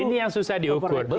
ini yang susah diukur